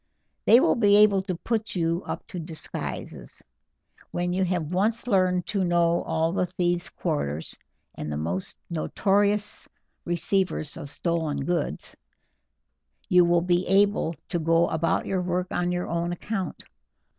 They will be able to put you up to disguises. When you have once learned to know all the thieves' quarters and the most notorious receivers of stolen goods, you will be able to go about your work on your own account.